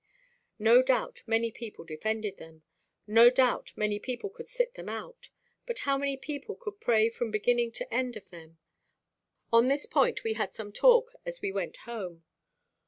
No doubt many people defended them; no doubt many people could sit them out; but how many people could pray from beginning to end of them? On this point we had some talk as we went home.